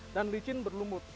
dan licin berlumut